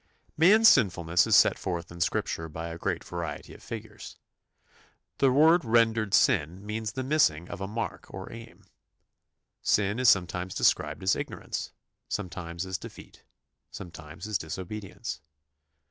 " Man's sinfulness is set forth in Scripture by a great variety of figures. The word rendered "sin" means the missing of a mark or aim. Sin is sometimes described as ignorance, sometimes as defeat, sometimes as disobedience.